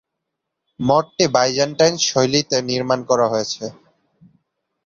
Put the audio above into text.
মঠটি Byzantine শৈলীতে নির্মাণ করা হয়েছে।